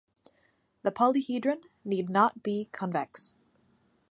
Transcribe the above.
The polyhedron need not be convex.